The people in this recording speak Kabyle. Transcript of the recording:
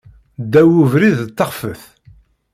Ddaw ubrid, d taxfet.